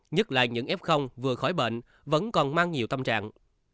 nhất là những f vừa khỏi bệnh vẫn còn mang nhiều tâm trạng